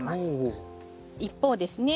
一方ですね